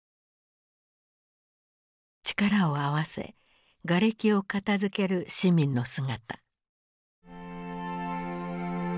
力を合わせがれきを片づける市民の姿。